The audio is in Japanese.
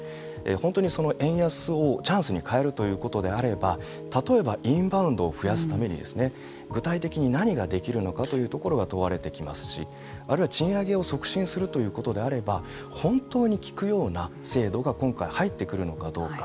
本当に円安をチャンスに変えるということであれば例えばインバウンドを増やすために具体的に何ができるのかというところが問われてきますしあるいは賃上げを促進するということであれば本当に効くような制度が今回入ってくるのかどうか。